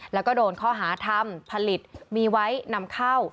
แล้วก็โดนข้อหาทำผลิตมีไว้นำเข้า